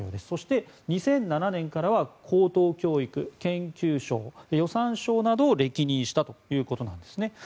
そして、２００７年からは高等教育・研究相予算相などを歴任したということです。